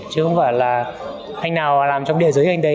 chứ không phải là anh nào làm trong địa giới anh đấy